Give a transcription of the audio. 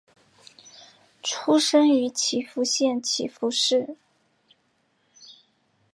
出身于岐阜县岐阜市。